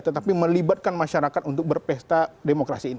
tetapi melibatkan masyarakat untuk berpesta demokrasi ini